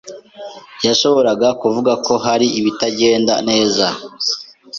yashoboraga kuvuga ko hari ibitagenda neza.